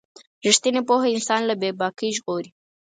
رښتینې پوهه انسان له بې باکۍ ژغوري.